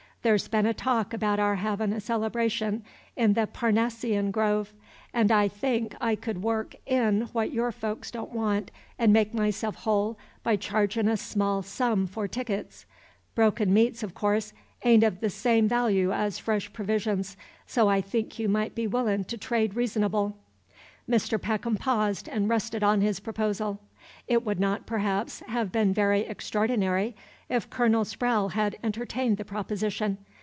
There's been a talk about our havin' a celebration in the Parnassian Grove, and I think I could work in what your folks don't want and make myself whole by chargin' a small sum for tickets. Broken meats, of course, a'n't of the same valoo as fresh provisions; so I think you might be willin' to trade reasonable." Mr. Peckham paused and rested on his proposal. It would not, perhaps, have been very extraordinary, if Colonel Sprowle had entertained the proposition.